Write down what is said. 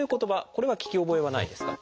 これは聞き覚えはないですか？